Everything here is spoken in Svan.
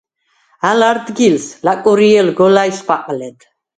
ალ არდგილს ლაკურიჲელ გოლაჲს ხვაყლედ.